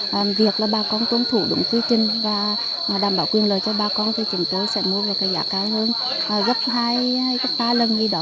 được là bà con tốn thủ đúng quy trình và đảm bảo quyền lợi cho bà con thì chúng tôi sẽ mua với cái giá cao hơn gấp hai ba lần như đó